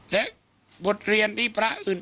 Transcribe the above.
และบทเรียนที่พระอื่น